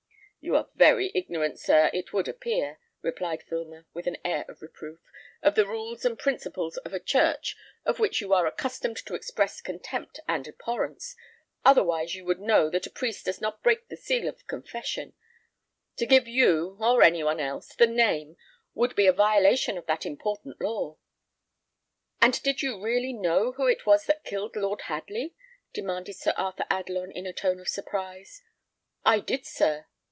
"You are very ignorant, sir, it would appear," replied Filmer, with an air of reproof, "of the rules and principles of a church of which you are accustomed to express contempt and abhorrence, otherwise you would know that a priest does not break the seal of confession. To give you, or any one else, the name, would be a violation of that important law." "And did you really know who it was that killed Lord Hadley?" demanded Sir Arthur Adelon, in a tone of surprise. "I did, sir.